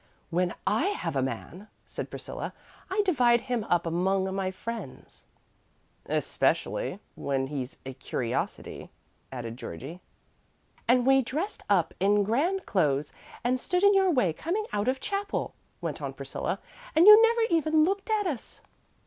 "When I have a man," said Priscilla, "I divide him up among my friends." "Especially when he's a curiosity," added Georgie. "And we dressed up in grand clothes, and stood in your way coming out of chapel," went on Priscilla, "and you never even looked at us."